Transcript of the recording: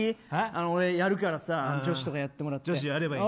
俺やるからさ女子やってもらって。